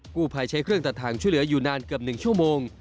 กู้ภัยใช้เครื่องตัดทางช่วยเหลืออยู่นานเกือบ๑ชั่วโมง